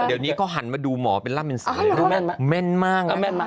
เดี๋ยวนี้เขาหันมาดูหมอเป็นร่ำเป็นเสร็จแม่นมากนะ